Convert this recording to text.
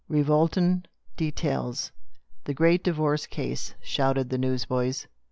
Revolting details ! The great divorce case !" shouted the newsboys.